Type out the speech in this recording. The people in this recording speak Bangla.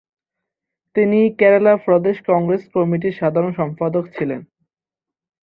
তিনি কেরালা প্রদেশ কংগ্রেস কমিটির সাধারণ সম্পাদক ছিলেন।